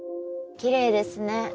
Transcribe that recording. きれいですね。